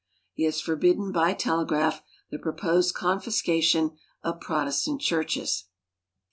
He has forbidden, by telegraph, the proposed confiscation of Protestant churches.